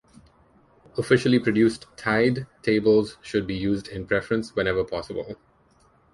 Officially produced tide tables should be used in preference whenever possible.